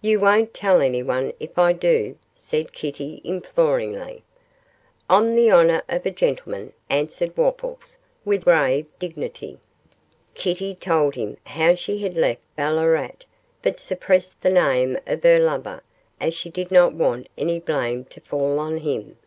'You won't tell anyone if I do?' said Kitty, imploringly. 'On the honour of a gentleman,' answered Wopples, with grave dignity. Kitty told him how she had left Ballarat, but suppressed the name of her lover, as she did not want any blame to fall on him.